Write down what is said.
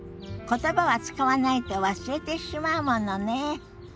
言葉は使わないと忘れてしまうものね。